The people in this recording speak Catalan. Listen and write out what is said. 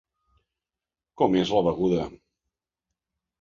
Com és la beguda?